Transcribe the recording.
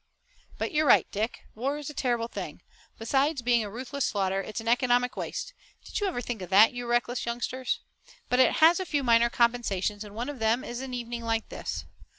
But you're right, Dick. War is a terrible thing. Besides being a ruthless slaughter it's an economic waste, did you ever think of that, you reckless youngsters? but it has a few minor compensations, and one of them is an evening like this.